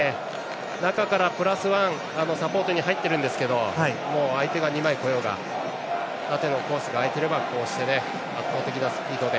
中からプラスワンサポートに入っているんですけど相手が２枚来ようが縦のコースが空いていればこうして圧倒的なスピードで。